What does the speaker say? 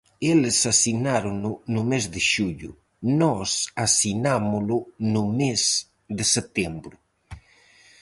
Eles asinárono no mes de xullo, nós asinámolo no mes de setembro.